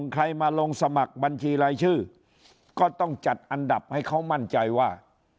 ใครมาลงสมัครบัญชีรายชื่อก็ต้องจัดอันดับให้เขามั่นใจว่า